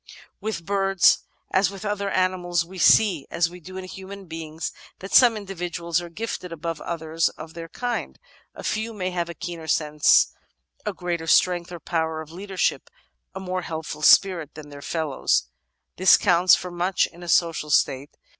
With birds, as with other animals, we see, as we do in human beings, that some individuals are gifted above others of their kind. A few may have a keener sense, greater strength or power of leadership, a more helpful spirit than their fellows. This counts for much in a social state.